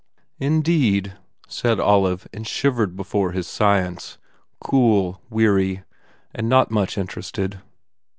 "Indeed," said Olive and shivered before his science, cool, weary, not much interested.